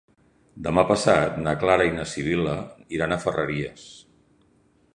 Demà passat na Clara i na Sibil·la iran a Ferreries.